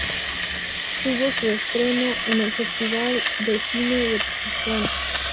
Tuvo su estreno en el Festival de Cine de Pusan.